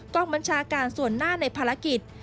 กองบัญชาการส่วนหน้าในภารกิจ